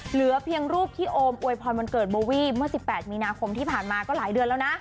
เหลือเพียงรูปที่โอมอวยพรวันเกิดโบวี่เมื่อ๑๘มีนาคมที่ผ่านมาก็หลายเดือนแล้วนะ